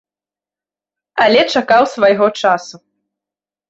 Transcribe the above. Але чакаў свайго часу.